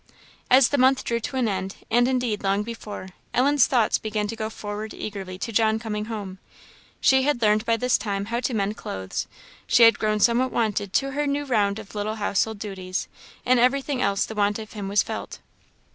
As the month drew to an end, and indeed long before, Ellen's thoughts began to go forward eagerly to John coming home. She had learned by this time how to mend clothes; she had grown somewhat wonted to her new round of little household duties; in everything else the want of him was felt.